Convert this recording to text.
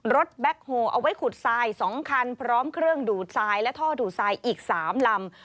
แบ็คโฮลเอาไว้ขุดทราย๒คันพร้อมเครื่องดูดทรายและท่อดูดทรายอีก๓ลำ